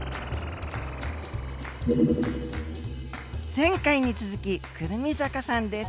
前回に続き胡桃坂さんです。